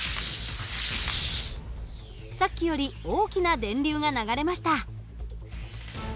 さっきより大きな電流が流れました。